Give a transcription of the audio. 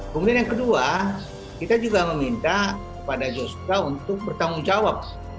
kemudian yang kedua kita juga meminta kepada joshua untuk bertanggung jawab